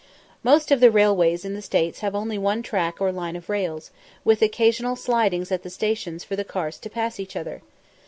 Most of the railways in the States have only one track or line of rails, with occasional sidings at the stations for the cars to pass each other.